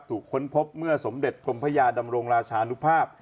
ค้นพบเมื่อสมเด็จกรมพญาดำรงราชานุภาพ